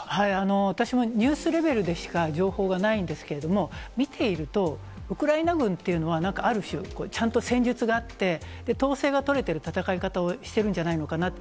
私もニュースレベルでしか情報がないんですけれども、見ていると、ウクライナ軍っていうのは、なんかある種、ちゃんと戦術があって、統制が取れている戦い方をしてるんじゃないのかなと。